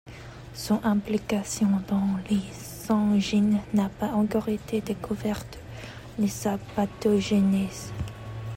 Son implication dans les angines n'a pas encore été découverte, ni sa pathogenèse.